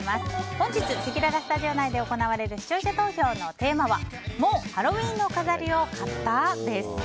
本日せきららスタジオ内で行われる視聴者投票のテーマはもうハロウィーンの飾りを買った？です。